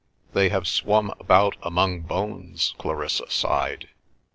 "They have swum about among bones," Clarissa sighed.